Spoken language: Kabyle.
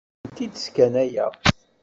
Ur tent-id-sskanayeɣ.